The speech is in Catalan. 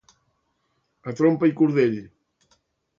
A trompa i cordell.